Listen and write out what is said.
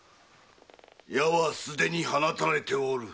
矢はすでに放たれておる。